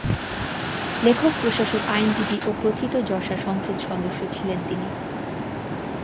লেখক, প্রশাসক, আইনজীবী ও প্রথিতযশা সংসদ সদস্য ছিলেন তিনি।